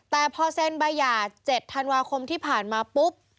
แต่พอเซ็นใบหย่า๗ธันวาคมที่ผ่านมาปุ๊บ